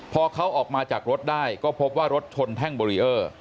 พอเขาออกมาจากรถได้ก็พบว่ารถชนแท่งเบรีเออร์